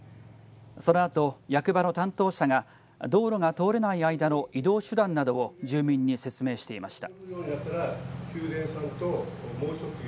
そのあと役場の担当者が道路が通れない間の移動手段などを住民に説明していました。